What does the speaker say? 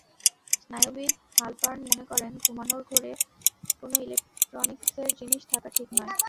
স্নায়ুবিদ হালপার্ন মনে করেন, ঘুমানোর ঘরে কোনো ইলেকট্রনিকসের জিনিস থাকা ঠিক নয়।